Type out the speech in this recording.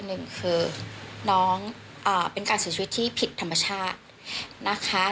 หนึ่งคือน้องเป็นการเสียชีวิตที่ผิดธรรมชาตินะคะ